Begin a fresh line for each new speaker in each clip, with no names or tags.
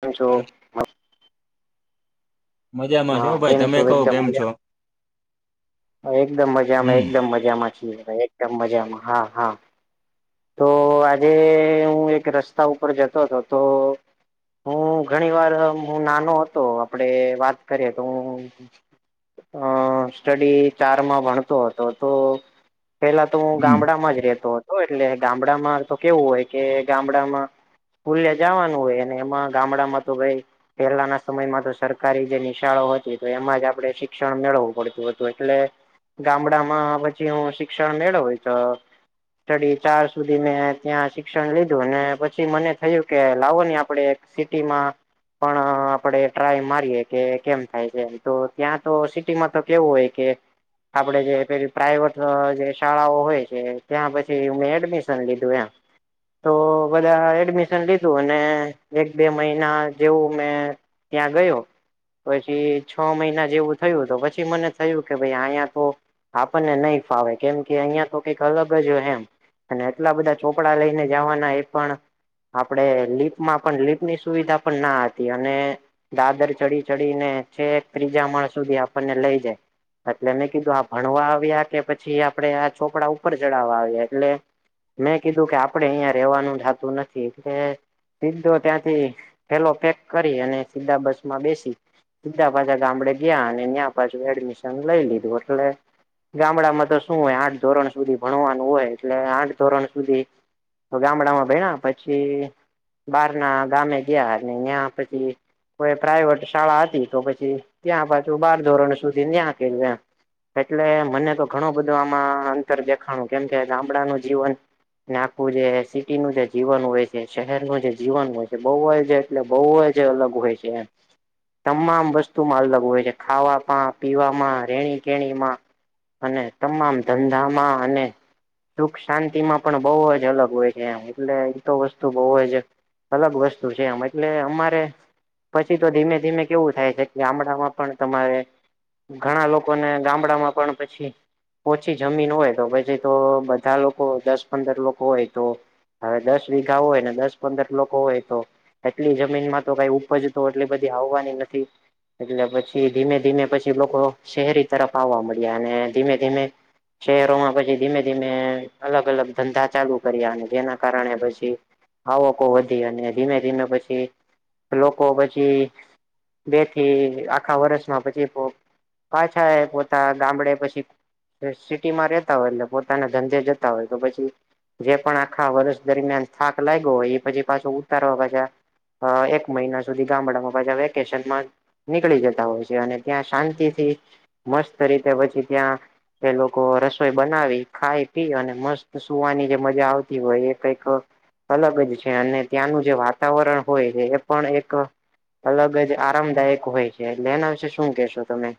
કેમ છો
હલો. મજામાં
હા
છો ભાઈ
કેમ
તમે કહ
એકદમ
કેમ છો
એકદમ મજામાં
હમ.
એકદમ મજામાં છીએ ભાઈ એકદમ મજામાં હા હા તો આજે હું એક રસ્તા ઉપર જતો હતો તો હું ઘણી વાર હું નાનો હતો આપડે વાત કરીએ તો હું અ સ્ટડી ચાર માં ભણતો હતો તો પેલા તો હું
હમ
ગામડામાં જ રેતો હતો એટલે ગામડામાં તો કેવું હોય કે ગામડામાં ભુલિયા જવાનું હોય એમાં ગામડામાં તો ભાઈ પહેલાના સમયમાં તો સરકારી જે નિશાળો હતી તો એમાં જ આપણે શિક્ષણ મેળવવું પડતું હતું એટલે ગામડામાં પછી હું શિક્ષણ મેળવ હોય તો ડી ચાર સુધી મેં ત્યાં શિક્ષણ લીધું પછી મને થયું કે લાવો ને આપડે સિટી માં પણ આપણે ટ્રાય મારીએ કે કેમ થાય છે તો ત્યાં તો સિટીમાં તો કેવું હોય કે આપડે જે પેલી પ્રાઈવેટ જે શાળાઓ હોય છે ત્યાં પછી મે એડમિશન લીધું એમ તો બધા એડમિશન લીધું અને એક બે મહિના જેવું મેં ત્યાં ગયો પછી છ મહિના જેવું થયું તો પછી મને થયું કે ભાઈ અહીયા તો આપણને નહી ફાવે કેમ કે અહિયાં તો કઈક અલગ જ હોય એમ અને એટલા બધા ચોપડા લઈને જવાના એ પણ આપડે લીપમાં પણ લીપની સુવિધા પણ ના હતી અને દાદર ચડી ચડીને છે એક ત્રીજા માણ સુધી આપણને લઈ જાય એટલે મેં કીધું આ ભણવા આવ્યા કે પછી આપડે આ ચોપડા ઉપર ચડાવવા આવ્યા એટલે મેં કીધું કે આપડે અહિયાં રેવાનું જતું નથી એટલે સીધો ત્યાંથી પથેલો પેક કરી અને સીધા બસ માં બેસી બીધા પાછા ગામડે ગયા અને ત્યાં પાછુ એડમિશન લઈ લીધું એટલે ગામડામાં તો શું હોય આઠ ધોરણ સુધી ભણવાનું હોય એટલે આઠ ધોરણ સુધી ગામડામાં ભહેણા પછી બાર ના ગામે ગયા અને ત્યાં પછી કોઈ પ્રાાઈવેટ શાળા હતી તો પછી ત્યાં પાછું બાર ધોરણ સુધી ન્યાં કે એટલે મને તો ઘણું બધો આમાં અંતર દેખાણું કેમ કે ગામડાનું જીવન ને આખું જે સિટીનું જે જીવન હોય છે શહેરનું જે જીવન હોય છે બહુ જે એટલે બહુ જ અલગ હોય છે એ તમામ વસ્તુમાં અલગ હોય છે ખાવાવામાં પીવામાં રેણી કેણીમાં અને તમામ ધંધામાં અને સુખ શાંતિ માં પણ બહુ જ અલગ હોય છે એમ એટલે એ તો વસ્તુ બહુ જ અલગ વસ્તુ છે એમ એટલે અમારે પછી તો ધીમે ધીમે કેવું થાય છે કે ગામડામાં પણ તમારે ઘણા લોકોને ગામડામાં પણ પછી ઓછી જમીન હોય તો પછી તો બધા લોકો દસ પંદર લોકો હોય તો હવે દસ વીઘા હોય ને દસ પંદર લોકો હોય તો એટલી જમીનમાં તો કઈ ઉપજ તો એટલી બધી આવવાની નથી એટલે પછી ધીમે ધીમે પછી લોકો શહેરી તરફ આવવા મળ્યા અને ધીમે ધીમે. શહેરોમાં પછી ધીમે. અલગ અલગ ધંધા ચાલુ કર્યા અને જેના કારણે પછી. આવકો વધી અને ધીમે ધીમે પછી લોકો પછી. બે થી આખા વર્ષમાં પછી પાછા એ પોતા ગામડે પછી સિટી માં રેતા હોય એટલે. પોતાના ધંધે જતા હોય તો પછી જે પણ આખા વર્ષ દરમિયાન થાક લાગ્યો હોય એ પછી પાછો ઉતારવા પાછા એક મહિના સુધી ગામડામાં પાછા વેકેશનમાં નીકળી જતા હોય છે અને ત્યાં શાંતિ થી મસ્ત રીતે પછી ત્યાં એ લોકો રસોઈ બનાવી ખાય પી અને મસ્ત સુવાની જે મજા આવતી હોય એ કઈક અલગ જ છે અને ત્યાંનું જે વાતાવરણ હોય છે એ પણ એક અલગ જ આરામદાયક હોય છે. તેના વિશે શું કેશો તમે?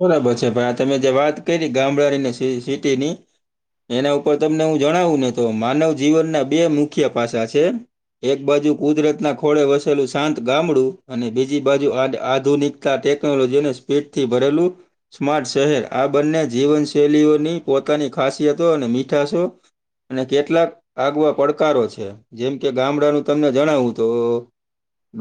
બરાબર છે ભાઈ આ તમે જે વાત કરી ગામડાનીને સિટીની એના ઉપર તમને હું જણાવું ને તો માનવ જીવનના બે મુખ્ય પાસા છે. એક બાજુ કુદરત ના ખોળે વસેલું શાંત ગામડું અને બીજી બાજુ આધુનિક ટેકનોલોજીને સ્પીડ થી ભરેલું. સ્માર્ટ શહેર આ બંને જીવનશૈલીઓની પોતાની ખાસિયતો અને મીઠશો અને કેટલાક આગવા પડકારો છે જેમ કે ગામડાનું તમને જણાવું તો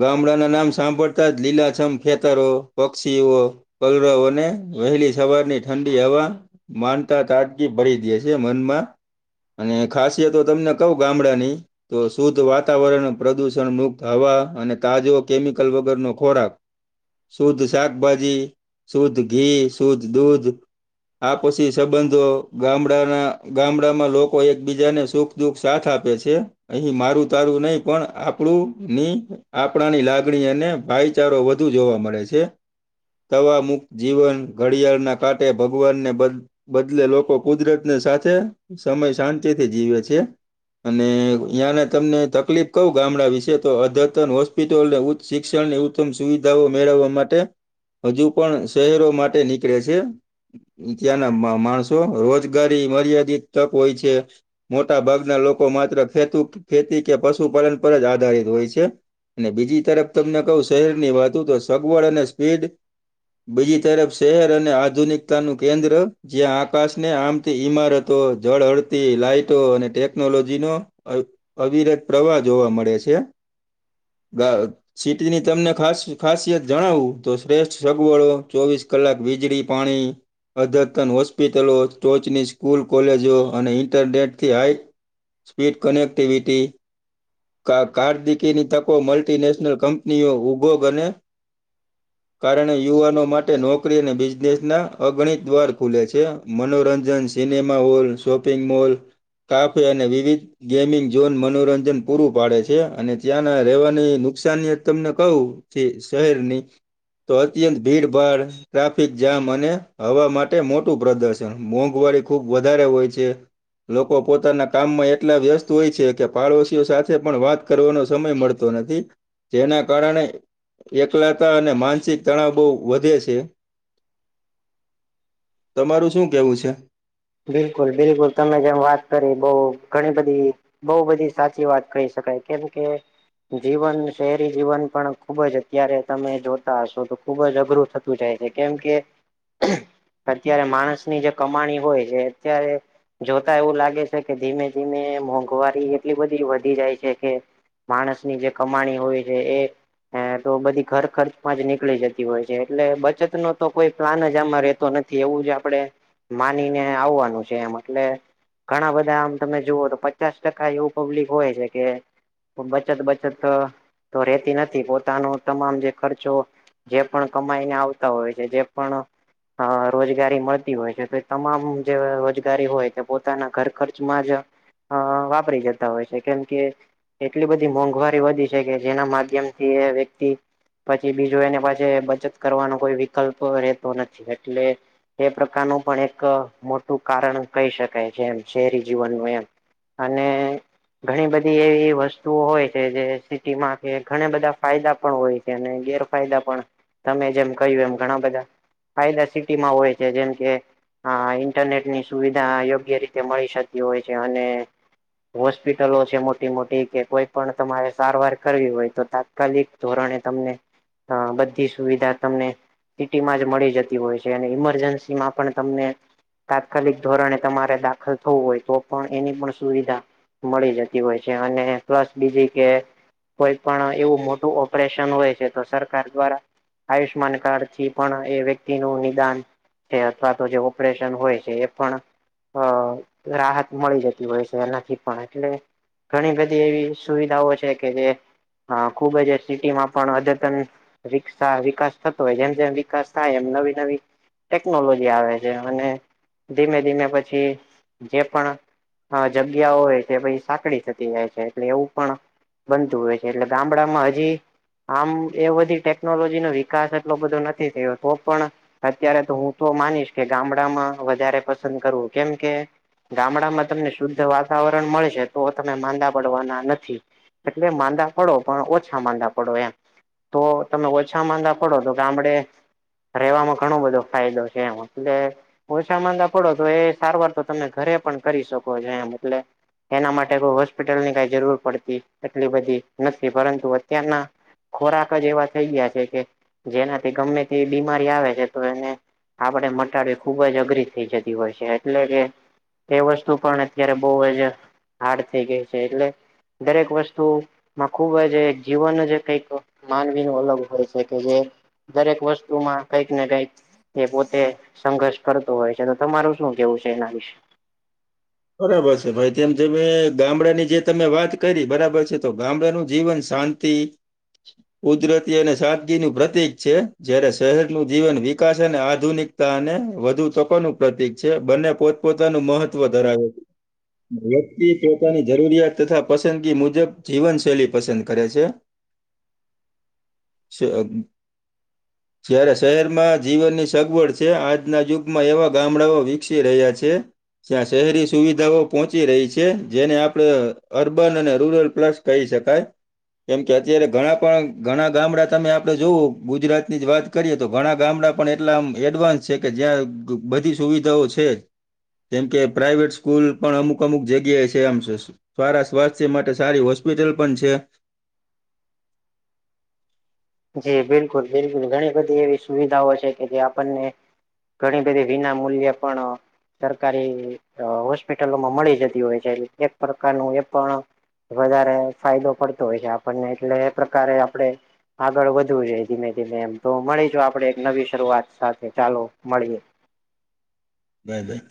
ગામડાના નામ સાંભળતા જ લીલાછમ ખેતરો, પક્ષીઓ પલરાવ અને વહેલી સવારની ઠંડી હવા. માનતા તાડગી ભરી દે છે મનમાં. અને ખાસિયત તમને કવ ગામડાની તો શુદ્ધ વાતાવરણ પ્રદૂષણ મુક્ત હવા અને તાજો કેમિકલ વગરનો ખોરાક શુદ્ધ શાકભાજી, શુદ્ધ ઘી, શુદ્ધ દૂધ આ પછી સંબંધો ગામડાના ગામડામાં લોકો એકબીજાને સુખ દુઃખ સાથ આપે છે. અહી મારું તારું નહી પણ આપણુંની આપણાની લાગણી અને ભાઈ વિચારો વધુ જોવા મળે છે. મુુકત જીવન ઘડિયાળના કાંઠે ભગવાનને બ બદલે લોકો કુદરતની સાથે સમય શાંતિથી જીવે છે. અને અયાંને તમને તકલીફ કવું ગામડા વિશે તો અદતન હોસ્પિટલને શિક્ષણની ઉત્તમ સુવિધાઓ મેળવવા માટે હજુ પણ શહેરો માટે નીકળે છે. ત્યાંના માણસો રોજગારી મર્યાદિત તક હોય છે. મોટા ભાગના લોકો માત્ર ખેતુ ખેતી કે પશુપાલન પર જ આધારિત હોય છે. અને બીજી તરફ તમને કહું શહેરની વાત તો સગવડ અને સ્પીડ બીજી તરફ શહેર અને આધુનિકતાનું કેન્દ્ર જ્યાં આકાશને આમ ઈમારતો જળહળતી લાઈટો અને ટેકનોલોજી નો અવિરત પ્રવાહ જોવા મળે છે. સીટીની તમને ખાસિયત જણાવું તો શ્રેષ્ઠ સગવડો ચોવીસ કલાક વીજળી, પાણી અદ્યતન હોસ્પિટલો ટોચની સ્કૂલ કોલેજો અને ઇન્ટરનેટથી હાઈ સ્પીડ કનેક્ટિવિટી કાર્દિકીની તકો મલ્ટીનેશનલ કંપનીઓ ઉગોગ અને કારણે યુવાનો માટે નોકરી અને બિઝનેસ ના અગણિત દ્વાર ખુલે છે. મનોરંજન, cinema hall, shopping mall, cafe અને વિવિધ ગેમિંગ ઝોન મનોરંજન પૂરું પાડે છે. અને ત્યાંના રહેવાની નુકસની તમને કહું તે શહેરની. તો અત્યંત ભીડ ભાડ ટ્રાફિક જામ અને હવા માટે મોટું પ્રદર્શન મોંઘવારી ખુબ વધારે હોય છે. લોકો પોતાના કામમાં એટલા વ્યસ્ત હોય છે, કે પાડોશીઓ સાથે પણ વાત કરવાનો સમય મળતો નથી, જેના કારણે એકલાતા અને માનસિક તણાવ બહુ વધે છે, તમારું શું કેવું છે.
બિલકુલ, બિલકુલ તમે જેમ વાત કરી બઉ ઘણી બધી. બઉ બધી સાચી વાત કહી શકાય કેમ કે. જીવન શહેરી જીવન પણ ખુબ જ અત્યારે તમે જોતા હશો તો ખુબ જ અઘરું. શું થાય છે, કેમ કે અત્યારે માણસની જે કમાણી હોય છે, અત્યારે‌. જોતા એવું લાગે છે, કે ધીમે ધીમે મોંઘવારી એટલી બધી વધી જાય છે, કે. માણસની જે કમાણી હોય છે, એ હે તો બધી ઘર ખર્ચમાં જ નીકળી જતી હોય છે, એટલે બચત નો તો કોઈ પ્લાન જ આમાં રેતો નથી. એવું જ આપડે માનીને આવવાનું છે, એમ એટલે. ઘણા બધા આમ તમે જુવુ તો પચાસ ટકા એવું પબ્લિક હોય છે, કે બચત બચત તો રેતી નથી પોતાનો તમામ જે ખર્ચો જે પણ કમાઈને આવતા હોય છે, જે પણ અ રોજગારી મળતી હોય છે, તો એ તમામ. જે રોજગારી હોય તે પોતાના ઘર ખર્ચમાં જ હ વાપરી જતા હોય છે, કેમ કે. એટલી બધી મોંઘવારી વધી છે, કે જેના માધ્યમ થી એ વ્યક્તિ પછી બીજું એને પછે. બચત કરવાનો કોઈ વિકલ્પ રહેતો નથી એટલે. એ પ્રકારનું પણ એક મોટું કારણ કહી શકાય છે, એમ શહેરી જીવનનું એમ. અને ઘણી બધી એવી વસ્તુઓ હોય છે, જે સિટીમાં કે ઘણા બધા ફાયદા પણ હોય. અને ગેરફાયદા પણ તમે જેમ કહ્યું એમ ઘણા બધા. ફાયદા સિટી માં હોય છે, જેમ કે. ઇન્ટરનેટ ની સુવિધા યોગ્ય રીતે મળી શકતી હોય છે, અને હોસ્પિટલો છે, મોટી મોટી કે કોઈ પણ તમારે સારવાર કરવી હોય તો. તાત્કાલિક ધોરણે તમને અ બધી સુવિધા તમને. સિટીમાં જ મળી જતી હોય છે, અને ઇમરજન્સી માં પણ તમને. તાત્કાલિક ધોરણે તમારે દાખલ થવું, હોય તો પણ એની પણ સુવિધા. મળી જતી હોય છે, અને પ્લસ બીજી કે. કોઈ પણ એવું મોટું ઓપરેશન હોય છે, તો સરકાર દ્વારા આયુષ્માન કાર્ડ થી પણ એ વ્યક્તિ નું નિદાન છે, અથવા તો જે ઓપરેશન હોય છે, એ પણ અ રાહત મળી જતી હોય છે, એનાથી પણ એટલે ઘણી બધી એવી સુવિધાઓ છે, કે જે અ ખુબ જ સિટીમાં પણ અદ્યતન વિકસા વિકાસ થતો હોય જેમ જેમ વિકાસ થાય, એમ નવી નવી ટેકનોલોજી આવે છે, અને ધીમે ધીમે પછી જે પણ, હા જગ્યાઓ હોય છે, પછી સાંકળી થતી જાય છે, એટલે એવું પણ બનતું હોય છે, એટલે ગામડામાં હજી આમ એ બધી ટેકનોલોજી નો વિકાસ એટલો બધો નથી થયો, તો પણ અત્યારે તો હું તો માનીશ કે ગામડામાં વધારે પસંદ કરવું કેમ કે ગામડામાં તમને શુદ્ધ વાતાવરણ મળે છે, તો તમે માંદા પડવાના નથી. એટલે માંદા પડો પણ ઓછા માંદા પડો એમ. તો તમે ઓછા માંદા પડો તો કે ગામડે. રહેવામાં ઘણો બધો ફાયદો છે, એમ એટલે. ઓછા માંદા પડો તો એ સારવાર તો તમે ઘરે પણ કરી શકો છો એમ એટલે એના માટે કો હોસ્પિટલની કઈ જરૂર પડતી એટલી બધી નથી પરંતુ અત્યારના ખોરાક જ એવા થઈ ગયા છે, કે જેનાથી ગમે તે બીમારી આવે છે, તો એને આપડે મટાડી ખુબ જ અઘરી થઇ જતી હોય છે એટલે કે. એ વસ્તુ પણ અત્યારે બહુ જ હાર્ડ થઈ ગઈ છે એટલે દરેક વસ્તુ માં ખુબજ જીવન જે કઈક માનવી ન અલગ હોય છે કે જે દરેક વસ્તુમાં કઈક ને કઈક એ પોતે સંઘર્ષ. કરતું હોય છે તો તમારું શું કેવું છે એના વિશે.
બરાબર છે, ભાઈ તેમ જે ગામડાની જે તમે વાત કરી બરાબર છે, તો ગામડાનું જીવન શા તી કુદરતી અને સાદગીનું પ્રતિક છે, જાયારે શહેરનું જીવન વિકાસ અને આધુનિક તાને વધુ તકોનું પ્રતિક છે, બંને પોતપોતાનું મહત્વ ધરાવે વ્યક્તિ પોતાની જરૂરિયાત તથા પસંદગી મુજબ જીવનશૈલી પસંદ કરે છે. [inaudible] જયારે શહેરમાં જીવનની સગવડ છે, આજના યુગમાં એવા ગામડાઓ વિકસી રહ્યા છે. ત્યાં શહેરી સુવિધાઓ પહોંચી રહી છે, જેને આપણે અર્બન અને રૂરલ પ્લસ કહી શકાય કેમ કે અત્યારે ઘણા પણ ઘણા ગામડા તમે આપડે જોવું ગુજરાતની જ વાત કરીએ તો ઘણા ગામડા પણ એટલા એડવાન્સ છે, કે જ્યાં બધી સુવિધાઓ છે. કેમ કે પ્રાાઈવેટ સ્કૂલ પણ અમુક અમુક જગ્યાએ છે, આમ સારા સ્વાસ્થ્ય માટે સારી હોસ્પિટલ પણ છે.
જી બિલકુલ બિલકુલ ઘણી બધી એવી સુવિધાઓ છે, કે જે આપણને ઘણી બધી વિના મૂલ્ય પણ સરકારી હોસ્પિટલોમાં મળી જતી હોય છે, એ એક પ્રકારનું એ પણ વધારે ફાયદો પડતો હોય છે, આપણને એટલે એ પ્રકારે આપડે આગળ વધવું જોઈ ધીમે ધીમે એમ તો મળી જ આપડે એક નવી શરૂઆત સાથે ચાલો મળીએ
બાય બાય.